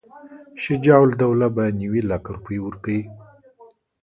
شجاع الدوله به نیوي لکه روپۍ ورکوي.